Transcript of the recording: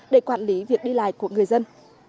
để quản lý việc đi lại của người dân